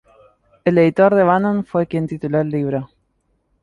El editor de Bannon fue quien tituló el libro.